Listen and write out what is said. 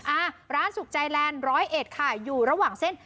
อ่าร้านสุขใจแลนด์ร้อยเอ็ดค่ะอยู่ระหว่างเส้น